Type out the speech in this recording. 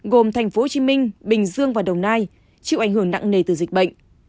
gồm thành phố hồ chí minh bình dương và đồng nai chịu ảnh hưởng nặng nề từ dịch bệnh